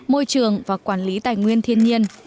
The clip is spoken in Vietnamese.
môi trường và quản lý tài nguyên thiên nhiên